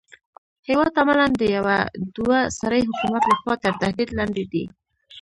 هېواد عملاً د يوه دوه سري حکومت لخوا تر تهدید لاندې دی.